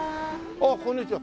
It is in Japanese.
ああこんにちは。